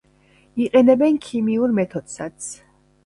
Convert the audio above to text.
იყენებენ ქიმიურ მეთოდსაც.